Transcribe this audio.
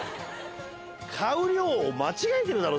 買う量を間違えてるだろ！